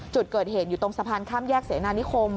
จุดเกิดเหตุอยู่ตรงสะพานข้ามแยกเสนานิคม